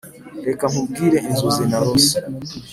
reka nkubwire inzozi narose.